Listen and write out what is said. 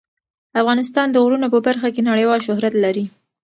افغانستان د غرونه په برخه کې نړیوال شهرت لري.